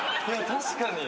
確かに。